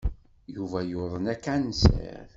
Yuba yuḍen akansir.